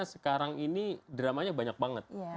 sekarang ini dramanya banyak banget